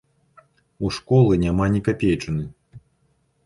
У школы няма ні капейчыны.